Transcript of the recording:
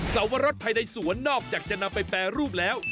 สวรสภายในสวนนอกจากจะนำไปแปรรูปแล้ว